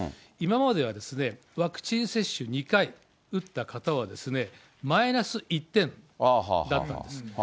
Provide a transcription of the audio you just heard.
今までは、ワクチン接種２回打った方はですね、マイナス１点だったんです。